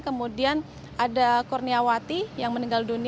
kemudian ada kurniawati yang meninggal dunia